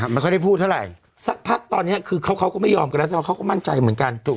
มันเค้าได้พูดเท่าไหร่สักพักตอนนี้เขาก็ไม่ยอมกันแล้วแต่เค้าก็มั่นใจเหมือนกัน